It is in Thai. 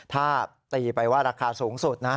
ถ้าตีไปว่าราคาสูงสุดนะ